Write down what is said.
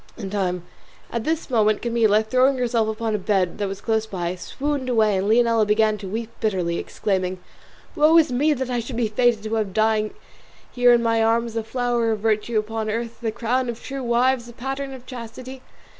At this moment Camilla, throwing herself upon a bed that was close by, swooned away, and Leonela began to weep bitterly, exclaiming, "Woe is me! that I should be fated to have dying here in my arms the flower of virtue upon earth, the crown of true wives, the pattern of chastity!"